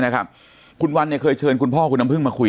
นะครับคุณวันเนี่ยเคยเชิญคุณพ่อคุณน้ำพึ่งมาคุย